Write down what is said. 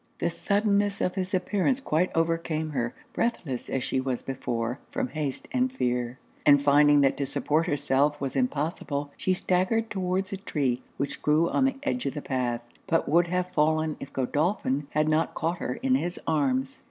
The suddenness of his appearance quite overcame her, breathless as she was before from haste and fear; and finding that to support herself was impossible, she staggered towards a tree which grew on the edge of the path, but would have fallen if Godolphin had not caught her in his arms.